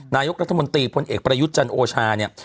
นายกรัฐมนตรีพลเอกประยุทธ์จันโอชาเนี่ย